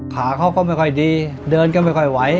ขาเขาก็ไม่ค่อยดีเดินก็ไม่ค่อยไหว